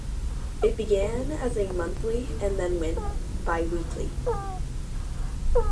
It began as a monthly and then went biweekly.